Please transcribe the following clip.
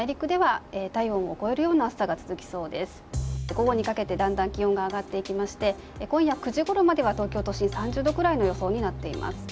午後にかけて、だんだん気温が上がっていきまして今夜９時ごろまでは東京都心３０度くらいの予想になっています。